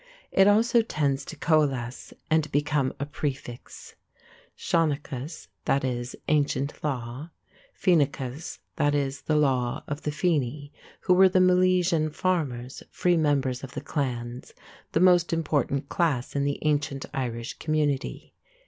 It also tends to coalesce and become a prefix. Seanchus (shanech us) == "ancient law." Féineachus (fainech us) == the law of the Féini, who were the Milesian farmers, free members of the clans, the most important class in the ancient Irish community.